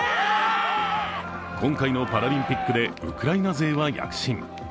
今回のパラリンピックでウクライナ勢は躍進。